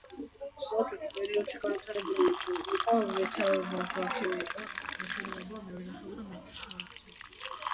საბჭოთა პერიოდში განვითარებული იყო მეთამბაქოეობა, მეხილეობა, მევენახეობა, მეჩაიეობა.